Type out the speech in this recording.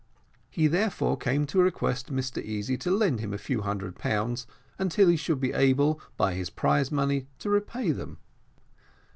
He therefore came to request Mr Easy to lend him a few hundred pounds, until he should be able, by his prize money, to repay them.